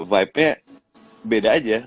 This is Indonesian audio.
vibenya beda aja